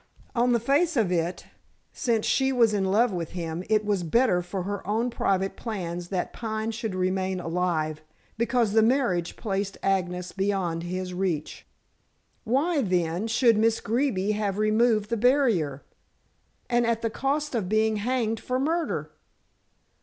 On the face of it, since she was in love with him, it was better for her own private plans that Pine should remain alive, because the marriage placed Agnes beyond his reach. Why, then, should Miss Greeby have removed the barrier and at the cost of being hanged for murder?